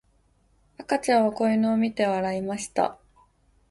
赤ちゃんは子犬を見て笑いました。